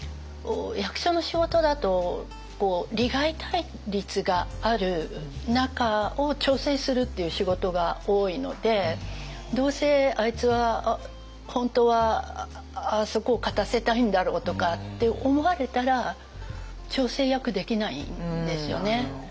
役所の仕事だと利害対立がある中を調整するっていう仕事が多いので「どうせあいつは本当はあそこを勝たせたいんだろう」とかって思われたら調整役できないんですよね。